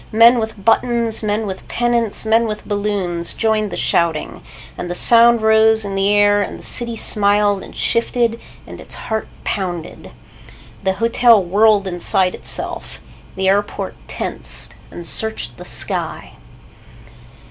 Men with buttons, men with pennants, men with balloons joined the shouting, and the sound rose in the air and the city smiled and shifted and its heart pounded. The hotel whirred inside itself. The airport tensed and searched the sky.